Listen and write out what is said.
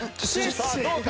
さあどうか？